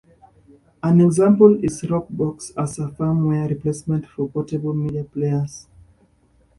An example is Rockbox as a firmware replacement for portable media players.